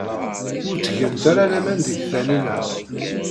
Ur ttgent ara laman deg Taninna.